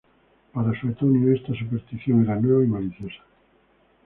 Para Suetonio esta superstición era nueva y maliciosa.